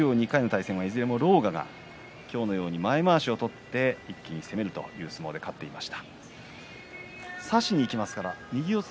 十両２回の対戦はいずれも狼雅が前まわしを取って一気に攻めるという相撲で勝っています。